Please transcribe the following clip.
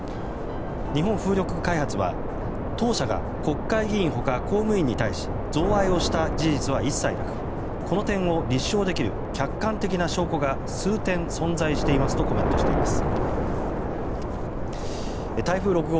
日本風力開発は当社が国会議員他公務員に対し贈賄をした事実は一切なくこの点を立証できる客観的な証拠が数点存在していますとコメントしています。